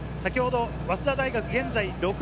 早稲田大学、現在６位。